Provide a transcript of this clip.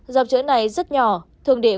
dòng chữ này rất nhỏ thường để